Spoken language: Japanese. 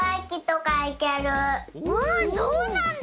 うんそうなんだ！